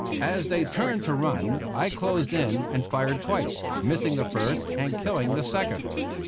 As they turned to run I closed in and fired twice, missing the first and killing the second.